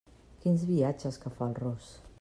Quins viatges que fa el ros!